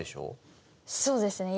そうですね。